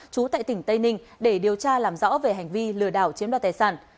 trú tại tỉnh tây ninh để điều tra làm rõ về hành vi lừa đảo chiếm đoạt tài sản